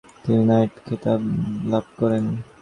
তিনি নাইট খেতাব লাভ করেন।